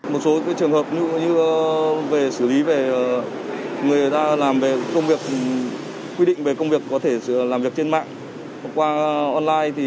một số trường hợp như về xử lý về người ta làm về công việc quy định về công việc có thể làm việc trên mạng qua online